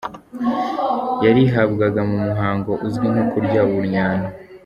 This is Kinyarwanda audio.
Yarihabwaga mu muhango uzwi nko kurya ubunnyano.